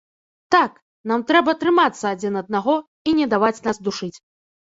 Так, нам трэба трымацца адзін аднаго і не даваць нас душыць.